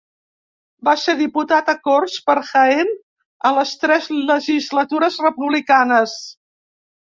Va ser diputat a Corts per Jaén a les tres legislatures republicanes.